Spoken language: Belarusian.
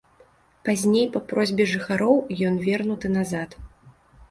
Пазней па просьбе жыхароў ён вернуты назад.